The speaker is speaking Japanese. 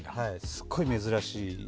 すごい珍しいんだ。